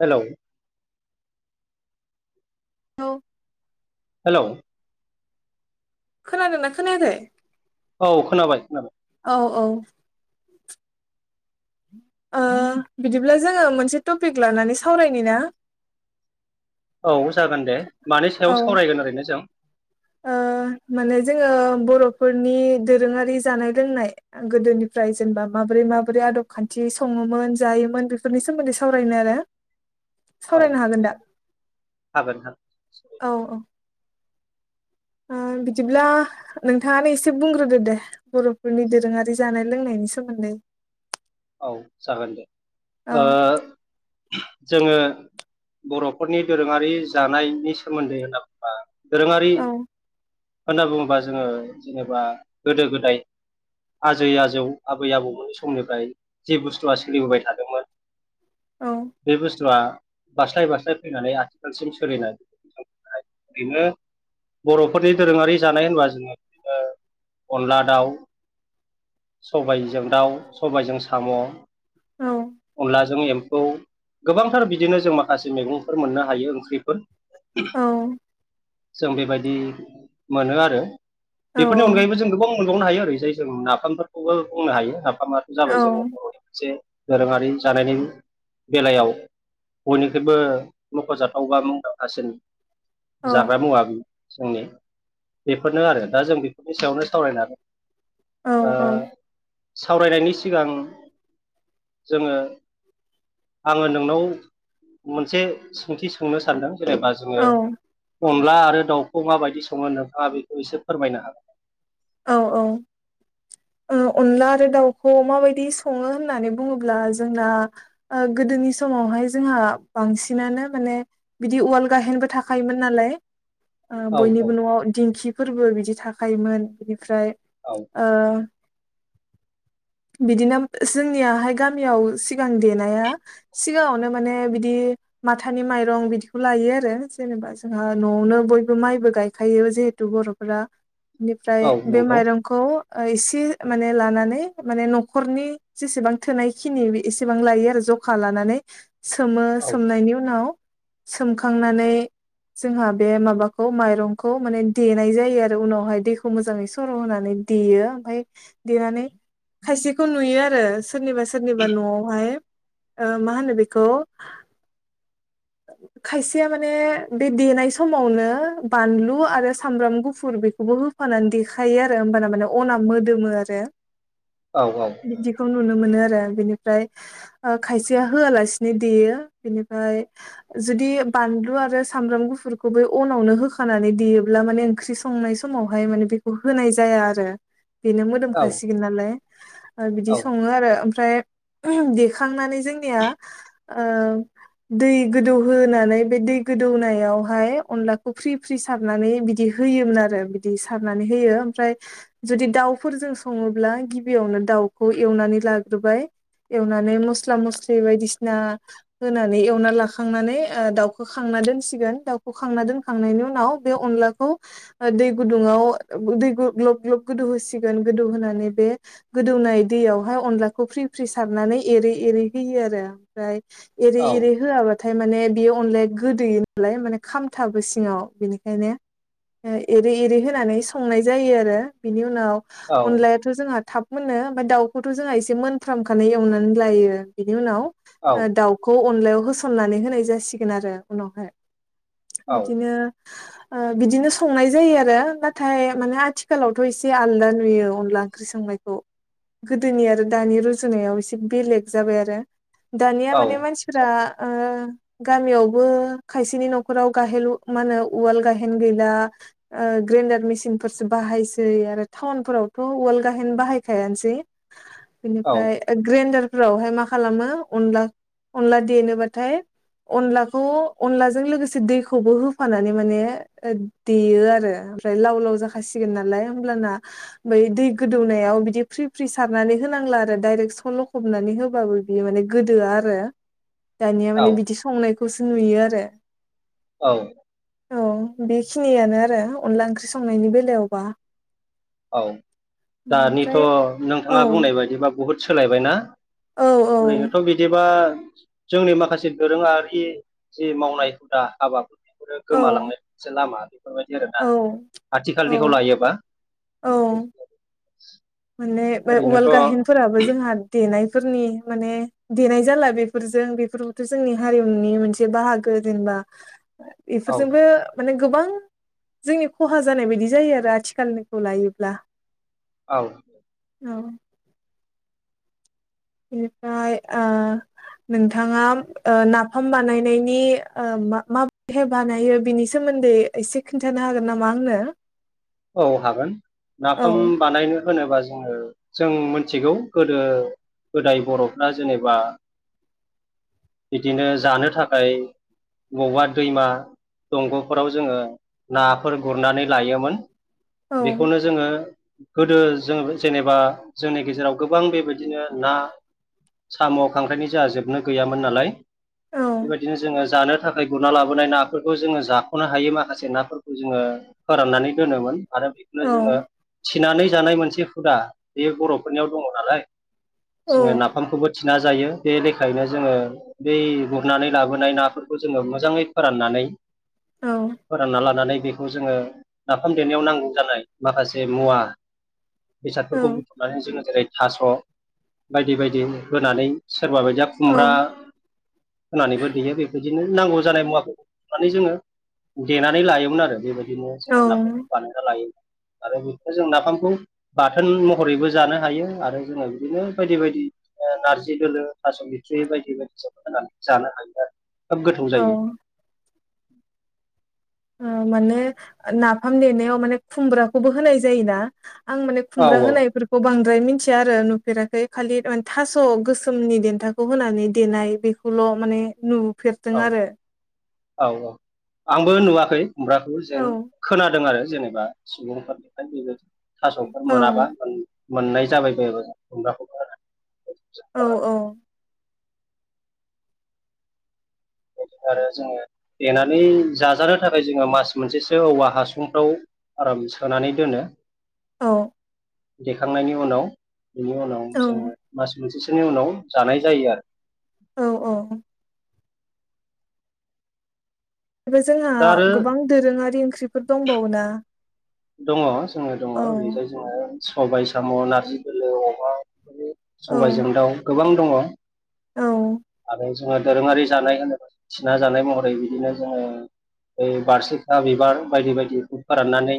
हेल' औ' औ खोनादोंना खोनायाखै? औ खोनाबाय खोनाबाय औ औ ओ बिदिब्ला जोङो मोनसे टपिक लानानै सावरायनि ना? औ जागोन दे मानि सायाव औ सावरायगोन ओरैनो जों ओ माने जोङो बर'फोरनि दोरोङारि जानाय लोंनाय गोदोनिफ्राय जेनेबा मा माबोरै माबोरै आदब खानथि सङोमोन जायोमोन बेफोरनि सोमोन्दै सावरायनो आरो औ सावरायनो हागोन दा हागोन हागोन औ औ ओ बिदिब्ला नोंथाङानो एसे बुंग्रोदो दे बर'फोरनि दोरोङारि जानाय लोंनायनि सोमोन्दै औ जागोन दे औ ओ जोङो बर'फोरनि दोरोङारि जानायनि सोमोन्दै होनना बुङोबा दोरोङारि औ होनना बुङोबा जोङो जेनेबा गोदो-गोदाय आजै आजौ आबै आबौमोननि समनिफ्राय जे बुस्थुआ सोलिबोबाय थादोंमोन औ बे बुस्थुआ बास्लाय बास्लाय फैनानै आथिखालसिम सोलिनाय ओरैनो बर'फोरनि दोरोङारि जानाय होनबा जोङो‌ओ अनला दाउ, सबायजों दाउ, सबायाइजों साम' औ अनलाजों एमफौ गोबांथार बिदिनो जों माखासे मैगंफोर मोननो हायो ओंख्रिफोर औ जों बेबायदि मोनो आरो औ बेफोरनि अनगायैबो जों गोबां मोनबावनो हायो ओरैजाय जों नाफामफोरखौबो बुंनो हायो खामाथ' औ जाबाय जोंनि बर'नि मोनसे दोरोङारि जानायनि बेलायाव बयनिख्रुइबो मख'जाथाव बा मुंदांखासिन जाग्रा मुवा जोंनि बेफोरनो आरो दा जों बेफोरनि सायावनो सावरायनो औ ओ औ सावरायनायनि सिगां जोङो आङो नोंनाव मोनसे सोंथि सोंनो सानदों जेनेबा जोङो औ अनला आरो दाउखौ माबायदि सङो नोंथाङा बेखौ एसे फोरमायनो हागोन औ औ ओ अनला आरो दाउखौ माबायदि सङो होननानै बुङोब्ला जोंना ओ गोदोनि समावहाय जोंहा बांसिनानो माने बिदि उवाल गाहेनबो थाखायोमोन नालाय औ औ बयनिबो न'आव दिंखिफोरबो बिदि थाखायोमोन। ओमफ्राय औ ओ बिदिनो जोंनियाहाय गामियाव सिगां देनाया सिगाङावनो माने बिदि माथानि माइरं बिदिखौ लायो आरो जेनेबा जोंहा न'आवनो बयबो माइबो गायखायो जिहेथु बर'फोरा बेनिफ्राय औ बे नंगौ माइरंखौ एसे माने लानानै माने न'खरनि जेसेबां थोनाय खिनि एसेबां लायो आरो जखा लानानै सोमो औ सोमनायनि उनाव सोमखांनानै जोंहा बे माबाखौ माइरंखौ माने देनाय जायो आरो उनावहाय दै मोजाङै सर' होनानै देयो ओमफ्राय देनानै खायसेखौ नुयो आरो सोरनिबा सोरनिबा न'आवहाय ओ मा होनो बेखौ [inaudible] खायसेया माने बे देनाय समावनो बानलु आरो सामब्राम गुफुर बेखौबो हो फानानै देखायो आरो होमबाना माने अना मोदोमो आरो औ औ बिदिखौ नुनो मोनो। आरो बिनिफ्राय ओ खायसेया होआलासिनो देयो बिनिफ्राय जुदि बानलु आरो सामब्राम गुफुरखौ बे अनावनो होखानानै देयोब्ला माने ओंख्रि सं नाय समावहाय माने बेखौ होनाय जाया आरो बेनो औ मोदोमखासिगोन नालाय बिदि औ सङो आरो ओमफ्राय देखांनानै जोंनिया ओ दै गोदौहोनानै बे दै गोदौनायावहाय अनलाखौ फ्रि फ्रि सारनानै बिदि हो योमोन आरो बिदि सारनानै होयो ओमफ्राय जुदि दाउफोरजों सङोब्ला गिबियावनो दाउ खौ एवनानै लाग्रोबाय एवनानै मसला मसलि बायदिसिना होना एवना लाखांनानै दाउखौ खांना दोनसिगोन दाउ खांना दोनखांनायनि उनाव बे अनलाखौ दै गुदुंआव दै ग्लब ग्लब गोदौ होसिगोन गोदौ होनानै बे गो दौनाय दैयावहाय अनलाखौ फ्रि फ्रि सारनानै एरै एरै होयो आरो ओमफ्राय एरै औ एरै होआबा थाय माने बेयो अनलाया गोदोयो नालाय माने खामथाबो सिङाव बेनिखायनो एरै एरै होनानै संनाय जायो आरो बिनि उनाव अनलायाथ' जोंहा थाब मोनो ओमफ्राय दाउखौथ' जोंहा एसे मोनफ्रामखानाय एवनानै लायो बिनि उनाव दाउ अनलायाव होसननानै होनाय जासिगोन आरो उनावहाय बिदिनो बिदिनो संनाय जायो आरो नाथाय माने आथिखालावथ' एसे आलदा नुयो अनला ओंख्रि सं नायखौ गोदोनि आरो दानि रुजुनायाव एसे बेलेग जाबाय आरो दानिया माने मानसि आ ओ गामियावबो खायसेनि न'खराव गाहे मा होनो उवाल गाहेन गैला दा ग्रेन्डार मेसिनफोरसो बाहायसै आरो टाउनफोरावथ' उवाल गाहेन बाहायखाया सै बेनिफ्राय ग्रेन्दार फोरावहाय मा खालामो अनला अनला देनोबाथाय अनलाखौ अनलाजों लोगोसे दैखौबो होफानानै माने देयो आरो ओमफ्राय लाव लाव जाखासिगोन नालाय होमब्लाना बै दै गोदौनायाव बिदि फ्रि फ्रि सारनानै हो नांला आरो डाइरेक्ट सल' खबनानै होबाबो बियो माने गोदोआ आरो दानिया औ माने बिदि संनायखौसो नुयो आरो औ औ बेखिनियानो आरो अनला ओंख्रि संनायनि बेलायावबा औ दानिथ' ओमफ्राय औ नोंथाङा बुंनाय बायदिबा बुहुद सोलायबाय ना? औ ओरैनोथ' बिदिबा जोंनि माखासे दोरोङारि जि मावनाय हुदा हाबा औ गोमालांनाय मोनसे लामा बेफोरबायदि आरोना औ औ आथिखालनिखौ लायोबा औ [inaudible] माने बे उवाल ओरैनोथ' गाहेनफोराबो जोंहा देनाय गोदोनि माने देनाय जाला बेफोरजों बेफोरथ' जोंनि हारिमुनि मोनसे बाहागो जेनेबा औ बेफोरजोंबो माने गोबां जोंनि खहा जानाय बायदि जायो आरो आथिखालखौ लायोब्ला औ औ बिनिफ्राय आ नोंथाङा ओ नाफाम बानायनायनि ओ मा बोरैहाय बानायो बिनि सोमोनदै सोमोनदै एसे खिनथानो हागोन नामा आंनो औ हागोन औ नाफाम बानायनो होनोबा जोङो जों मिथिगौ गोदो गोदाय बर'फ्रा जेनेबा बिदिनो जानो थाखाय बबावबा दैमा दंग'फोराव जोङो नाफोर गुरनानै लायोमोन औ बेखौनो जोङो गोदो जों जेनेबा जोंनि गेजेराव गोबां बेबायदिनो ना साम' खांख्राइनि जोंहा जोबनो गैयामोन नालाय औ बेबायदिनो जोङो जानो थाखाय गुरना लाबोनाय नाफोरखौ जोङो जाख'नो हायो माखासे नाफोरखौ जोङो फोराननानै दोनोमोन आरो बेखौनो जोङो थिनानै जानाय मोनसे हुदा बे बर'फोरनियाव दङ नालाय औ जोङो नाफामखौबो ना जायो बे लेखायनो जोङो बै गुरनानै लाबोनाय नाफोरखौ जोङो मोजाङै फोराननानै औ फोरानना लानानै बेखौ जोङो नाफाम देनायाव नांगौ जानाय माखासे मुवा बेसादफोरखौ बुथुमनानै जोङो जेरै थास' बायदि बायदि होनानै सोरबा बायदिया खुमब्रा होनानैबो देयो बेबायदिनो नांगौ जानाय मुवाखौ माने जोङो देनानै लायोमोन आरो बेबायदिनो जोङो औ ना बानायना लायो आरो बिदिनो जों नाफामखौ बाथोन महरैबो जानो हायो आरो जोङो बिदिनो बायदि बायदि ओ नारजि दोलो थास' बिथ्रि बायदि बायदि जों होनानै जानो हागोन आरो खोब गोथाव औ जायो ओ माने नाफाम लिरनायाव माने खुमब्राखौबो होनाय जायोना आं माने औ खुमब्राा होनायफोरखौ बांद्राय द्राय मिथिया आरो नुफेराखै खालि थास' गोसोमनि देनथाखौ होनानै देनाय बेखौल' माने नुफेरदों औ आरो औ औ आंबो नुवाखै खुमब्राखौ औ जेन खोनादों आरो जेनेबा सुबुंफोरनिफ्राय बेबो थास'फोर औ मोनाबा मोननाय जाबाय बायाबा खुमब्राखौ ओ औ खोनादों [inaudible] आरो जोङो देनानै जाजानो थाखाय जोङो मास मोनसेसो औवा हासुंफ्राव आराम सोनानै दोनो औ देखांनायनि उनाव बिनि उनाव औ जोङो मास मोनसे सोनि उनाव जानाय जायो आरो औ औ औ बेफ्राय जोंहा दा आरो गोबां दोरोङारि ओंख्रिफोर दंबावोना दङ जोङो दङ औ ओरैहाय जोङो सबाय साम' नारजि दोलो अमा औ सबायजों दाउ गोबां दङ औ आरो जोङो दोरोङारि जानाय होनोब्ला थिना जानाय महरै बिदिनो जोङो बै बारसिखा बिबार बायदि बायदिखौ फोराननानै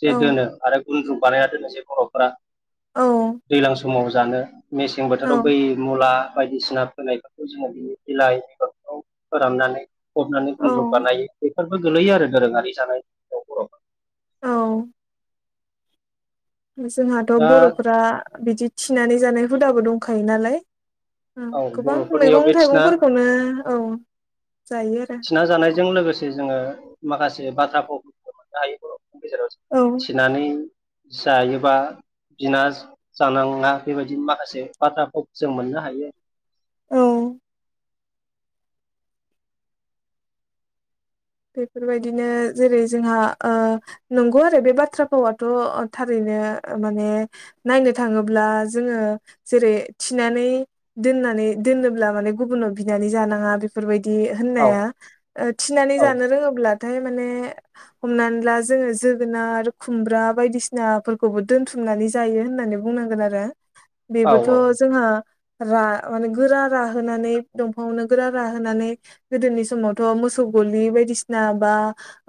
जे औ दोनो आरो गनद्रु बानाया दोनो जे बर'फोरा औ दैलां समाव समाव जानो मेसें औ बोथोराव बै मुला बायदिसिना फोनायफोरखौ जोङो बिनि बिलाइ बेगरफ्राव [unintelligible] फोराननानै फबनानै गुनद्रुग औ बानायो बेफोरबो गोलैयो आरो दोरोङारि जानायाव बर'फ औ जोंहाथ' दा बर'फोरा बिदि थिनानै जानाय हुदाबो दंखायो नालाय औ गोबां बर'फोरनियाव बे मैगं थिना थाइगंफोरखौनो औ जायो आरो थिना जानायजों लोगोसे जोङो माखासे बाथ्रा फावफोरखौ जोङो मोननो हायो बर' गेजेराव औ थिनानै जायोबा बिना जानाङा बेबायदि माखासे बाथ्रा फावखौ जों मोननो हायो औ बेफोरबायदिनो जेरै जोंहा नंगौ आरो बे बाथ्रा फावाथ' थारैनो माने नायनो थाङोब्ला जोङो जेरै थिनानै दोननाय नानै दोनोब्ला माने गुबुनाव बिनानै जानाङा बेफोरबायदि औ होननाया थिनानै औ जानाया होनब्लाथाय माने हमनानै ला जोङो जोगोनार आरो खुमब्रा बायदिसिनाफोरखौबो दोनथुमनानै जायो होननानै बुंनांगोन आरो औ बेबोथ' जोंहा रा माने गोरा राहोनानै दंफाङावनो गोरा राहोनानै गोदोनि समावथ' मोसौ गलि बायदि बायदिसिना बा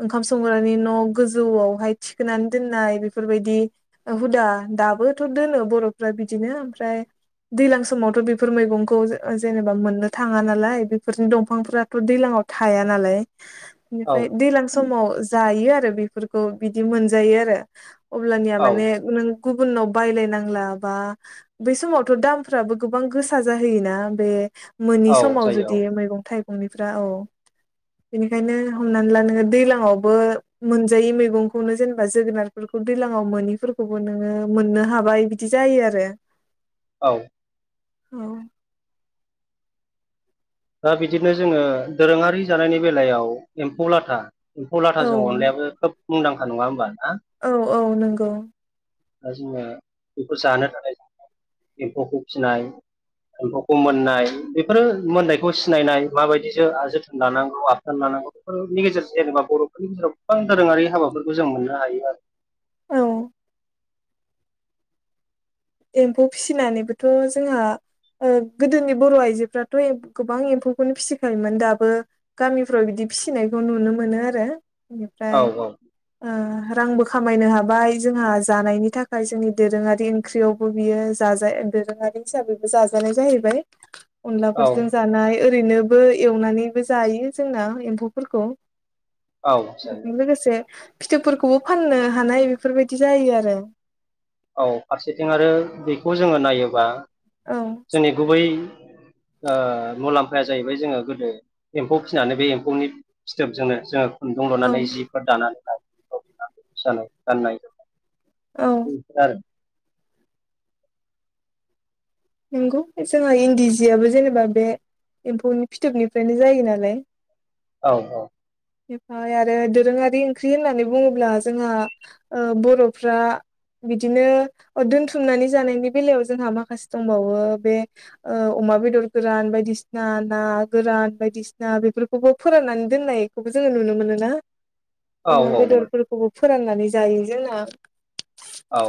ओंखाम संग्रानि न' गोजौआवहाय थिखोनानै दोननाय बेफोरबायदि हुदा दाबोथ' दोनो बर'फ्रा बिदिनो ओमफ्राय दैलां समावथ' बेफोर मैगंखौ जेनेबा मोननो थाङा नालाय बेफोरनि दंफांफोराथ' दैलां फ्राव थाया नालाय औ बेनिफ्राय दैलां समाव जायो आरो बेफोरखौ बिदि मोनजायो आरो अब्लानिया औ माने नों गुबुननाव बायलायनांला बा बेै समावथ' दामफ्राबो गोबां गोसा जाहोयोना बे मोनि औ समाव जायो जुदि मैगं थाइगंफ्रा औ बेनिखायनो हमनानै ला नोङो दैलाङावबो मोनजायि मैगंखौनो जेनेबा जोगोनारफोरखौ दैलाङाव मोनिफोरखौबो नोङो मोननो हाबाय बिदि जायो आरो औ औ दा बिदिनो जोङो दोरोङारि जानायनि बेलायाव एम्फौ लाथा एम्फौ औ लाथाजों अनलायाबो खोब मुंदांखा नङा होमबा ना औ औ नंगौ दा जोंना बेखौ जानो थाखाय एम्फौखौ फिसिनाय एम्फौखौ मोननाय बेफोरो मोननाय खौ सिनायनाय माबायदिसो जोथोन लानांगौ आबथान लानांगौ बेफोरनि गेजेरजों जेनेबा बर'फोरनि गेजेराव गोबां दोरोङारि हाबाफोरखौ जों मोननो हायो आरो औ एम्फौ फिसिनानैबोथ' जोंहा गोदोनि बर' आइजोफ्राथ' गोबां एम्फौखौनो फिसिखायोमोन दाबो गामिफ्राव बिदि फिसिनायखौ नुनो मोनो आरो ओनिफ्राय आरो औ रांबो खामायनो हाबाय जोंहा जानायनि थाखाय जोंनि दोरोङारि ओंख्रियावबो बियो जाजा दोरोङारि हिसाबैबो जाजानाय जाहैबाय औ अनलाफोरजों जानाय ओरैनोबो एवनानैबो जायो जोंना एम्फौफोरखौ औ जायो। बिजों लोगोसे फिथोबफोरखौबो फाननो हानाय बेफोरबायदि जायो आरो औ फारसेथिं आरो बेखौ जोङो नायोबा औ जोंनि गुबै [inaudible] ओ‌ मुलाम्फाया जाहैबाय जोङो गोदो एम्फौ फिसिनानै बे एम्फौनि फिथोबजोंनो जोङो खुन्दुं औ लुनानै जिफोर दानानै लानाय गाननाय जोमनाय औ [inaudible] नंगौ जोंहा इन्दि जियाबो जेनेबा बे एम्फौनि फिथोबनिफ्रायनो जायो नालाय औ औ बेनिफ्राय आरो दोरोङारि ओंख्रि होननानै बुङोब्ला जोंहा बर'फ्रा बिदिनो दोनथुमनानै जानायनि बेलायाव जोंहा माखासे दंबावो बे अमा बेदर गोरान बायदिसिना ना गोरान बायदिसिना बे बेफोरखौबो फोराननानै दोननायखौबो जोङो नुनो मोनोना औ अमा औ औ बेदरफोरखौबो फोराननानै जायो जोंना औ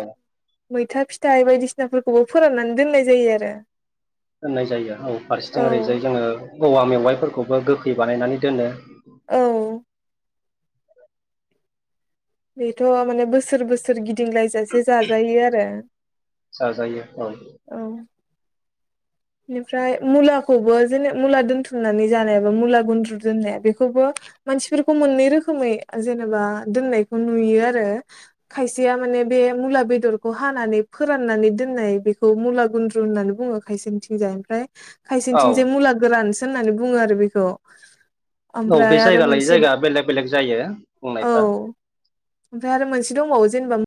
मैथा फिथाइ बायदिसिनाफोरखौबो फोराननानै दोननाय जायो आरो दोननाय जायो औ फारसेथिं औ ओरैजाय जोङो औवा मेवाइफोरखौबो गोखै बानायनानै दोनो औ बेथ' माने बोसोर बोसोर गिदिंलायजासे जाजायो आरो जाजायो औ बेनिफ्राय मुलाखौबो जेने मुला दोनथुमनानै जानायाबो मुला गुन्द्रु दोननाया बेखौबो मानसिफोरखौ मोननै रोखोमै जेनेबा दोननायखौ नुयो आरो खायसेया माने बे मुला बेदरखौ हानानै फोराननानै दोननाय बेखौ मुला गुन्द्रु होननानै बुङो खायसेनिथि जाय ओमफ्राय औ खायसेथिंजाय मुला गोरानसो होननानै बुङो आरो बेखौ औ बे ओमफ्राय आरो जायगा लायै मोनसे जायगा बेलेग बेलेग जायो औ बुंनायफ्रा ओमफ्राय आरो मोनसे दंबावो जेनेबा